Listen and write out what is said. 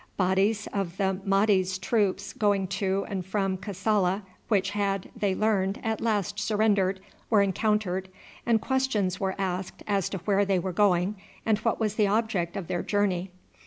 Bodies of the Mahdi's troops going to and from Kassala, which had, they learned, at last surrendered, were encountered, and questions were asked as to where they were going and what was the object of their journey.